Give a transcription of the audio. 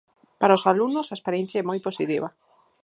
Para os alumnos, a experiencia é moi positiva.